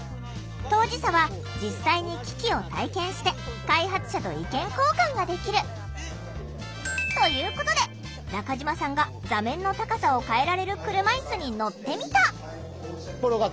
当事者は実際に機器を体験して開発者と意見交換ができる。ということで中嶋さんが座面の高さを変えられる車いすに乗ってみた。